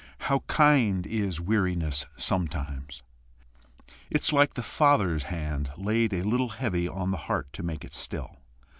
How kind is weariness sometimes! It is like the Father's hand laid a little heavy on the heart to make it still.